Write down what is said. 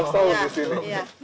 lima belas tahun di sini